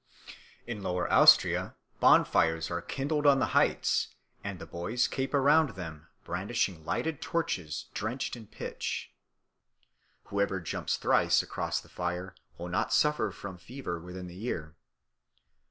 In Lower Austria bonfires are kindled on the heights, and the boys caper round them, brandishing lighted torches drenched in pitch. Whoever jumps thrice across the fire will not suffer from fever within the year.